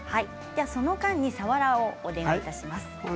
その間にさわらをお願いします。